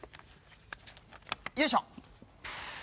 よいしょ。